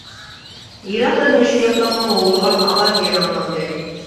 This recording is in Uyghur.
يىراقتىن مۈشۈكياپىلاقنىڭ ھۇۋلىغان ئاۋازى يەنە ئاڭلاندى.